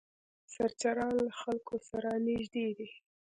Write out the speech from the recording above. سرچران له خلکو سره نږدې دي.